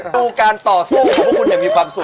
รู้การต่อสู้เราพวกคุณจะมีความสุข